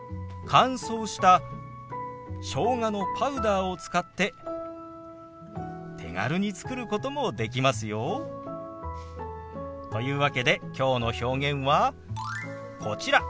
乾燥したしょうがのパウダーを使って手軽に作ることもできますよ。というわけできょうの表現はこちら。